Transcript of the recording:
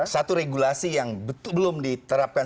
satu regulasi yang belum diterapkan